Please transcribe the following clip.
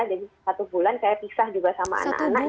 jadi satu bulan saya pisah juga sama anak anak